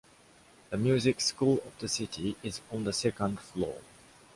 The music school of the city is on the second floor.